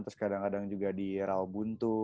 terus kadang kadang juga di rawabuntu